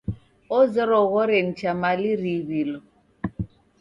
Ozerwa ughore nicha mali riiw'ilo.